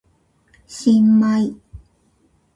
新米